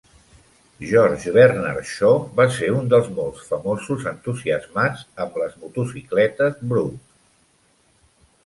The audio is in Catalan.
George Bernard Shaw va ser un dels molts famosos entusiasmats amb les motocicletes Brough.